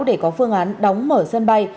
để có phương án đóng mở sân bay